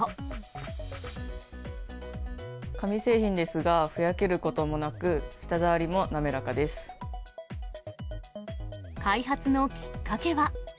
紙製品ですが、ふやけることもなく、開発のきっかけは。